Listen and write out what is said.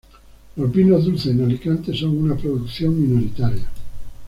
Los vinos dulces en Alicante son una producción minoritaria.